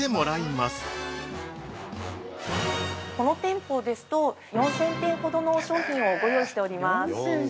◆この店舗ですと４０００点ほどの商品をご用意しております。